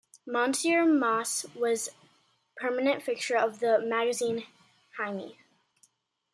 Monsieur Mosse was permanent fixture of the magazine "Hymy".